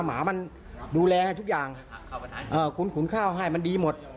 หมามันดูแลให้ทุกอย่างขุนข้าวให้มันดีหมด